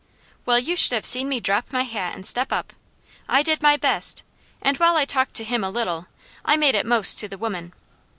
"Well, you should have seen me drop my hat and step up. I did my best, and while I talked to him a little, I made it most to the women.